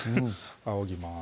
あおぎます